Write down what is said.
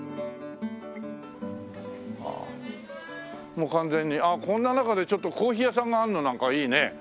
もう完全にあっこんな中でちょっとコーヒー屋さんがあるのなんかいいね。